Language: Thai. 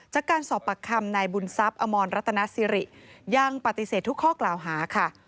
จากการสอบปากคำนายบุญทรัพย์อมรรัตนสิริยังปฏิเสธทุกข้อกล่าวหาค่ะ